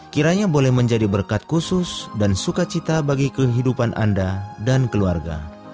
kiranya boleh menjadi berkat khusus dan sukacita bagi kehidupan anda dan keluarga